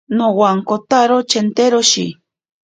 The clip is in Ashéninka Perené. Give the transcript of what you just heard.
Nowankotaro chenteroshi.